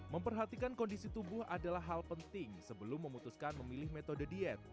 memperhatikan kondisi tubuh adalah hal penting sebelum memutuskan memilih metode diet